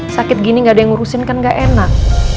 sakit gini ga ada yang ngurusin kan ga enak